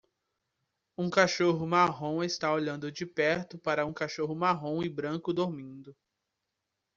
Um cachorro marrom está olhando de perto para um cachorro marrom e branco dormindo.